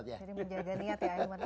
itu agak banyak ya